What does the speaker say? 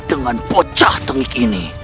dengan bocah tengik ini